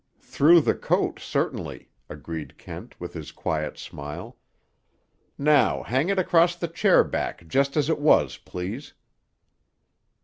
"Through the coat, certainly," agreed Kent, with his quiet smile. "Now hang it across the chair back just as it was, please."